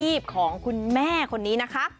ของคุณแม่คนนี้นะคะ